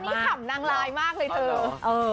อันนี้ขำนางลายมากเลยเธอ